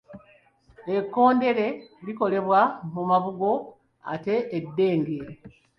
Ekkondeere likolebwa mu mabugo, ate eddenge?